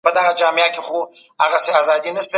تاسو به د خپل ذهن د پیاوړتیا لپاره فکر کوئ.